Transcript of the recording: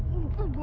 suruh dia gokil